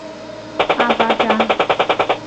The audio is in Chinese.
阿巴扎。